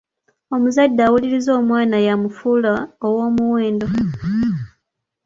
Omuzadde awuliriza omwana y’amufuula ow’omuwendo.